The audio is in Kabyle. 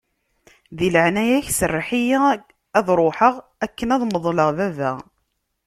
Di leɛnaya-k, serreḥ-iyi ad ṛuḥeɣ akken ad meḍleɣ baba.